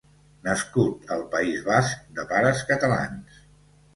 Nascut al País Basc de pares catalans.